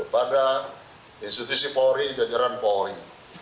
pada institusi polri jajaran polri